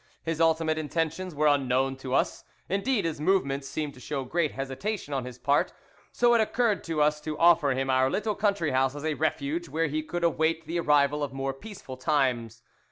His ultimate intentions were unknown to us, indeed his movements seemed to show great hesitation on his part, so it occurred to us to offer him our little country house as a refuge where he could await the arrival of more peaceful times.